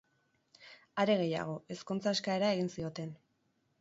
Are gehiago, ezkontza eskaera egin zioten.